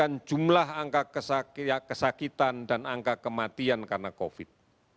untuk menurunkan jumlah angka kesakitan dan angka kematian karena covid sembilan belas